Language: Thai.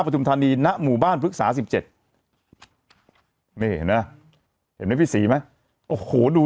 ทุมธานีณหมู่บ้านพฤกษา๑๗นี่เห็นไหมเห็นไหมพี่ศรีไหมโอ้โหดู